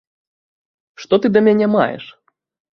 Што ты да мяне маеш?